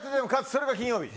それが金曜日！